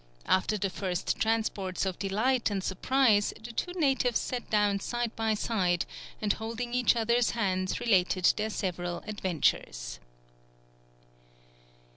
After the first transports of delight and surprise the two natives sat down side by side, and holding each others hands related their several adventures.